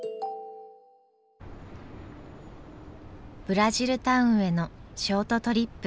ブラジルタウンへのショートトリップ。